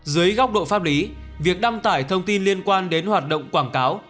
dưới góc độ pháp lý việc đăng tải thông tin liên quan đến hoạt động quảng cáo